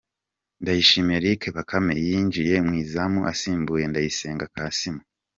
Ndayishimiye Eric Bakame yinjiye mu izamu asimbuye Ndayisenga Kassim.